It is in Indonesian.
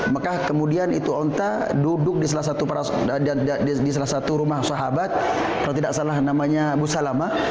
mekah kemudian itu onta duduk di salah satu rumah sahabat kalau tidak salah namanya busalama